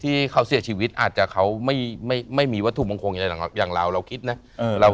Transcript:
ที่เขาเสียชีวิตอาจจะเขาไม่มีวัตถุมงคลอะไรอย่างเราเราคิดนะ